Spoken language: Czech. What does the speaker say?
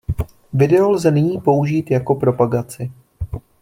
Video lze nyní použít jako propagaci.